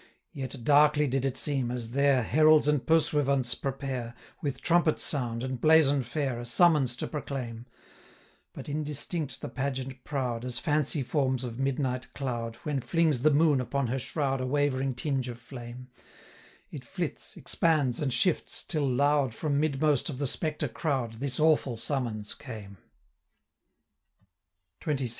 Yet darkly did it seem, as there 725 Heralds and Pursuivants prepare, With trumpet sound, and blazon fair, A summons to proclaim; But indistinct the pageant proud, As fancy forms of midnight cloud, 730 When flings the moon upon her shroud A wavering tinge of flame; It flits, expands, and shifts, till loud, From midmost of the spectre crowd, This awful summons came: 735 XXVI.